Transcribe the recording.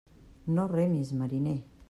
No remis, mariner.